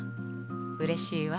うれしいわ。